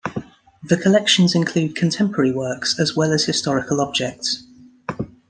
The collections include contemporary works as well as historical objects.